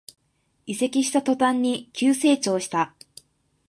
移籍した途端に急成長した